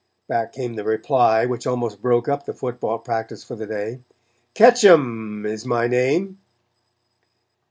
Back came the reply, which almost broke up the football practice for the day: "Ketchum is my name."